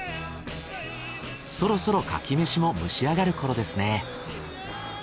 そろそろ牡蠣飯も蒸しあがるころですね。